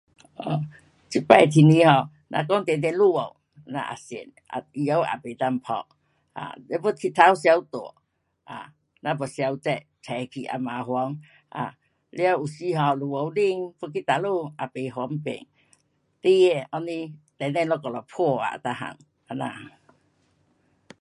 um 这次天气哦，若讲直直下雨咱也厌，um 太阳也不能嗮。um 若不太阳太大，um 咱又太热，热去也麻烦。um 了，有时 um 下雨天要去哪里也不方便，怎会这样冷冷一下了嗮啊每样这样。